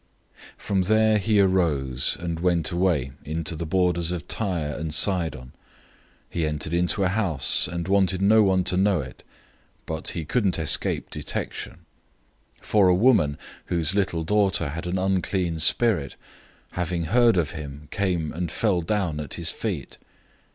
007:024 From there he arose, and went away into the borders of Tyre and Sidon. He entered into a house, and didn't want anyone to know it, but he couldn't escape notice. 007:025 For a woman, whose little daughter had an unclean spirit, having heard of him, came and fell down at his feet.